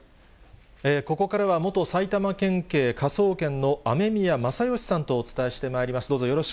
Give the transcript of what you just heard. ここからは元埼玉県警科捜研の雨宮正欣さんとお伝えしてまいります。